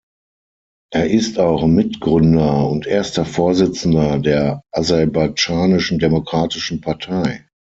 Er ist auch Mitgründer und erster Vorsitzender der Aserbaidschanischen Demokratischen Partei.